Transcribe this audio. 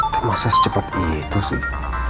temasnya secepat itu sih